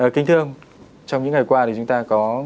kính thưa ông trong những ngày qua thì chúng ta có